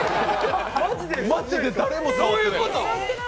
マジで誰も触ってないから。